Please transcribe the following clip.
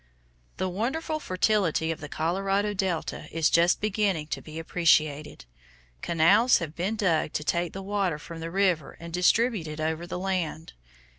The wonderful fertility of the Colorado delta is just beginning to be appreciated. Canals have been dug to take the water from the river and distribute it over the land.